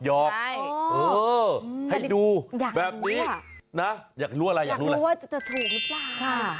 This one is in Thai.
ให้ดูแบบนี้นะอยากรู้อะไรอยากรู้แล้วว่าจะถูกหรือเปล่า